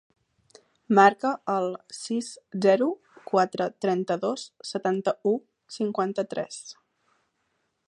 Marca el sis, zero, quatre, trenta-dos, setanta-u, cinquanta-tres.